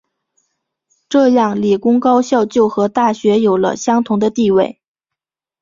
这样理工高校就和大学有了相同的地位。